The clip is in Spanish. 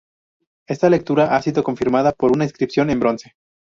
Esta lectura ha sido confirmada por una inscripción en bronce.